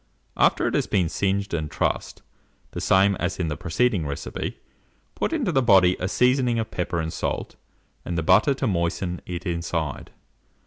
After it has been singed and trussed, the same as in the preceding recipe, put into the body a seasoning of pepper and salt, and the butter to moisten it inside.